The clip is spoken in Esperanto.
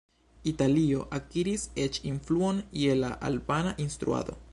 Italio akiris eĉ influon je la albana instruado.